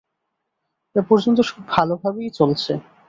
এ পর্যন্ত সব ভালভাবেই চলছে।